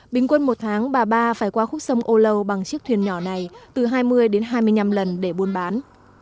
bình quân một tháng bà ba phải qua khúc sông âu lâu bằng chiếc thuyền nhỏ này từ hai mươi đến hai mươi năm lần để buôn bán